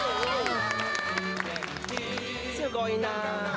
すごいなー。